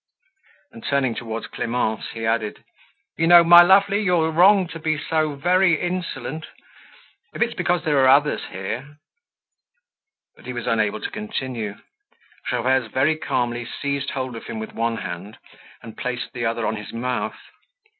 And turning towards Clemence, he added: "You know, my lovely, you're wrong to be to very insolent. If it's because there are others here—" But he was unable to continue. Gervaise very calmly seized hold of him with one hand, and placed the other on his mouth.